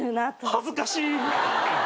恥ずかしい！